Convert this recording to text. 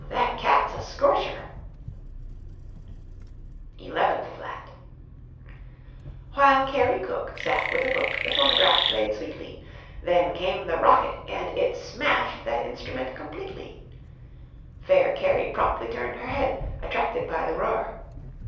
that cat's a scorcher!" [Illustration: TENTH FLAT] ELEVENTH FLAT While Carrie Cook sat with a book The phonograph played sweetly. Then came the rocket and it smashed That instrument completely. Fair Carrie promptly turned her head, Attracted by the roar.